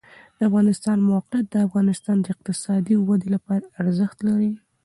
د افغانستان د موقعیت د افغانستان د اقتصادي ودې لپاره ارزښت لري.